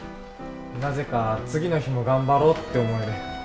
なぜか次の日も頑張ろうって思える。